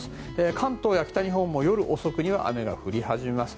関東や北日本も夜遅くには雨が降り始めます。